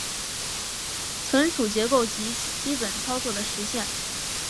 存储结构及基本操作的实现